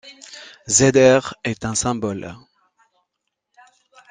Zr est un symbole.